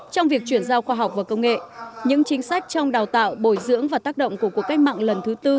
trong việc chuyển giao khoa học và công nghệ những chính sách trong đào tạo bồi dưỡng và tác động của cuộc cách mạng lần thứ tư